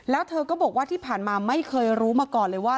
แล้วเธอก็บอกว่าที่ผ่านมาไม่เคยรู้มาก่อนเลยว่า